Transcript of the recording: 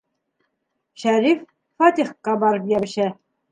Шәриф Фәтихкә барып йәбешә.